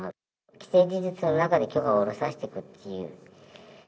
既成事実の中で許可を下ろさせていくっていう。